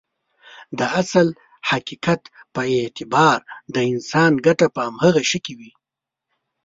د اصل حقيقت په اعتبار د انسان ګټه په هماغه شي کې وي.